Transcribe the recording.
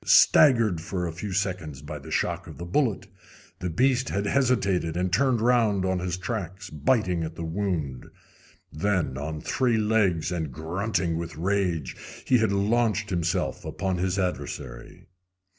Staggered for a few seconds by the shock of the bullet, the beast had hesitated and turned around on his tracks, biting at the wound. Then, on three legs, and grunting with rage, he had launched himself upon his adversary.